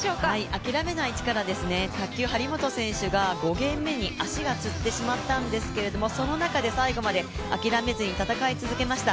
諦めない力ですね、卓球・張本選手が５ゲーム目に足がつってしまったんですけれども、その中で最後まで諦めずに戦い続けました。